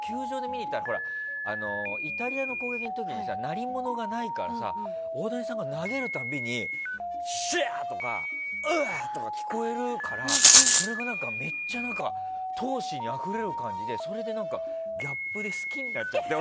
球場で見に行ったらイタリアの攻撃の時に鳴り物がないから大谷さんが投げるたびにしゃー！とかおら！とか聞こえるからそれがめっちゃ闘志にあふれる感じでギャップで好きになっちゃって。